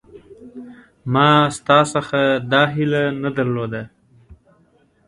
ما ستا څخه دا هیله نه درلوده